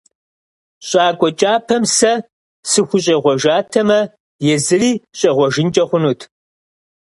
ЩӀакӀуэ кӀапэм сэ сыхущӀегъуэжатэмэ, езыри щӀегъуэжынкӀэ хъунут.